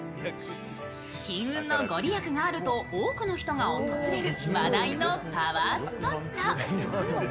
金運の御利益があると多くの人が訪れる話題のパワースポット。